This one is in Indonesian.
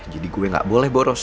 gue gak boleh boros